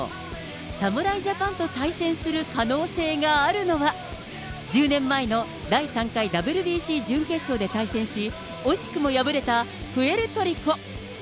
侍ジャパンと対戦する可能性があるのは、１０年前の第３回ＷＢＣ準決勝で対戦し、惜しくも敗れたプエルトリコ。